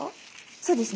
そうですね。